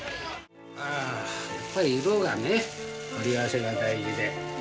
あやっぱり色がね取り合わせが大事で。